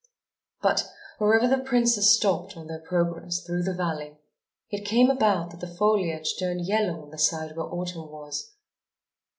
But, wherever the princes stopped on their progress through the valley, it came about that the foliage turned yellow on the side where Autumn was.